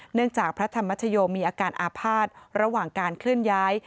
จากพระธรรมชโยมีอาการอาภาษณ์ระหว่างการเคลื่อนย้าย